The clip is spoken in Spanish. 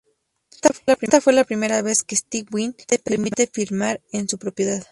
Esta fue la primera vez que Steve Wynn permite filmar en su propiedad.